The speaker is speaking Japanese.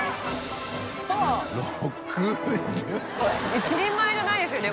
１人前じゃないですよね